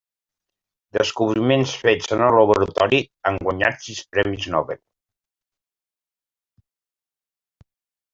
Descobriments fets en el laboratori han guanyat sis Premis Nobel.